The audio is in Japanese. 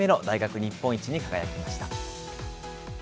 日本一に輝きました。